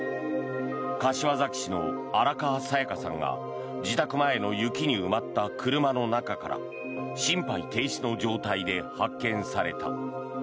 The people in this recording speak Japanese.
柏崎市の荒川紗夜嘉さんが自宅前の雪に埋まった車の中から心肺停止の状態で発見された。